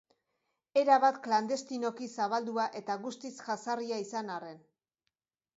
Erabat klandestinoki zabaldua eta guztiz jazarria izan arren.